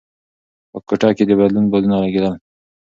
په کوټه کې د بدلون بادونه لګېدل.